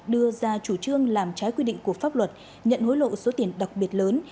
đưa ra chủ trương làm trái quy định của pháp luật nhận hối lộ số tiền đặc biệt lớn